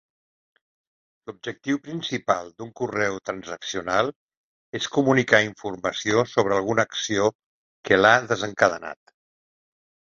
L'objectiu principal d'un correu transaccional és comunicar informació sobre alguna acció que l'ha desencadenat.